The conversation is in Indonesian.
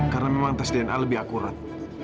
karena memang tes dna lebih akurat